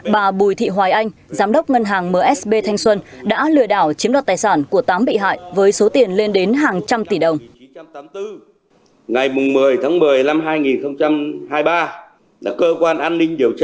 bà bùi thị hoài anh giám đốc ngân hàng msb thanh xuân đã lừa đảo chiếm đoạt tài sản của tám bị hại với số tiền lên đến hàng trăm tỷ đồng